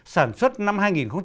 sản xuất năm hai nghìn một mươi một